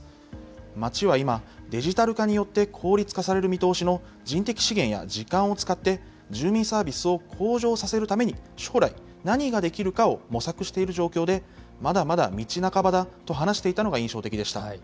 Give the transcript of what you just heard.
町は今、デジタル化によって効率化される見通しの人的資源や時間を使って、住民サービスを向上させるために将来、何ができるかを模索している状況で、まだまだ道半ばだと話していたのが印象的でした。